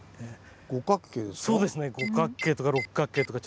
五角形ですか。